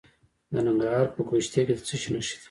د ننګرهار په ګوشته کې د څه شي نښې دي؟